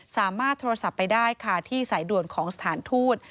สามารถโทรศัพท์ไปได้ค่ะที่สายด่วนของสถานทูต